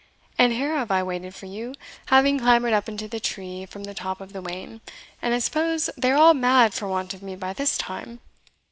And here have I waited for you, having clambered up into the tree from the top of the wain; and I suppose they are all mad for want of me by this time."